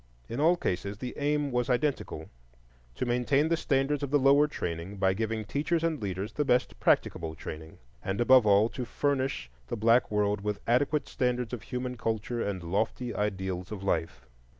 In all cases the aim was identical,—to maintain the standards of the lower training by giving teachers and leaders the best practicable training; and above all, to furnish the black world with adequate standards of human culture and lofty ideals of life.